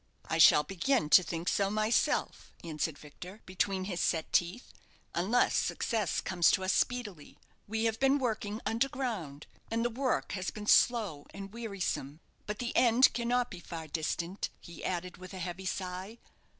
"I shall begin to think so myself," answered Victor, between his set teeth, "unless success comes to us speedily. We have been working underground, and the work has been slow and wearisome; but the end cannot be far distant," he added, with a heavy sigh.